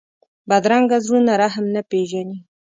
بدرنګه زړونه رحم نه پېژني